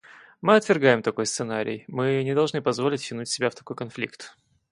Мы отвергаем такой сценарий; мы не должны позволить втянуть себя в такой конфликт.